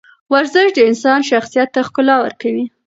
ورزش د انسان شخصیت ته ښکلا ورکوي.